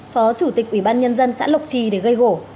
phó chủ tịch ủy ban nhân dân xã lộc trì để gây gỗ